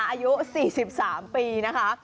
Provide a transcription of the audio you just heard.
อายุ๔๓ปีนะคะ